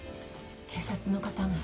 警察の方が。